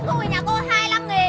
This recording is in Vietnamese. bánh trung thu ở nhà cô hai mươi năm